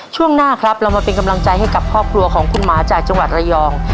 ช่วงหน้าครับเรามาเป็นกำลังใจให้กับครอบครัวของคุณหมาจากจังหวัดระยอง